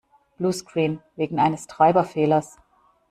Bluescreen. Wegen eines Treiberfehlers.